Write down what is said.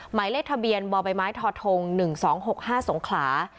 หมายเลขทะเบียนบบถหนึ่งสองหกห้าสงขลา